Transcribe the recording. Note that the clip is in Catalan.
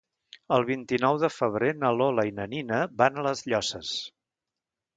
El vint-i-nou de febrer na Lola i na Nina van a les Llosses.